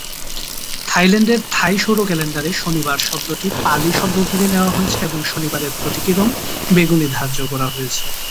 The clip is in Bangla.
থাইল্যান্ডের থাই সৌর ক্যালেন্ডারে শনিবার শব্দটি পালি শব্দ শনি থেকে নেওয়া হয়েছে এবং শনিবারের প্রতীকী রঙ বেগুনি ধার্য করা হয়েছে।